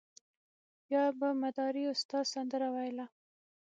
بیا به مداري استاد سندره ویله.